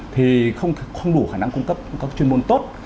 thì không đủ khả năng cung cấp các chuyên môn tốt